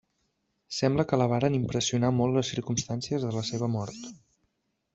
Sembla que la varen impressionar molt les circumstàncies de la seva mort.